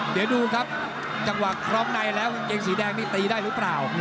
เดี๋ยวดูครับจังหวะคล้องในแล้วกางเกงสีแดงนี่ตีได้หรือเปล่า